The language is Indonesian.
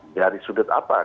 di dalam surat dakwaan